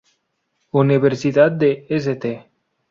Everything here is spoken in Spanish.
Universidad de St.